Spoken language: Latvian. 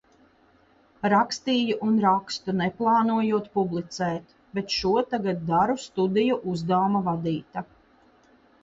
Rakstīju un rakstu neplānojot publicēt, bet šo tagad daru studiju uzdevuma vadīta.